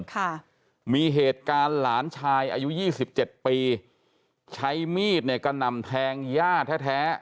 ค่ะมีเหตุการณ์หลานชายอายุยี่สิบเจ็ดปีใช้มีดเนี่ยกระหน่ำแทงย่าแท้แท้